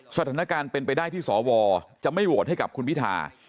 สถานการณ์เป็นไปได้ที่สวจะไม่โหวตให้กับคุณพิธา